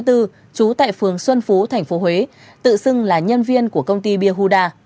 trú tại phường xuân phú thành phố huế tự xưng là nhân viên của công ty bia huda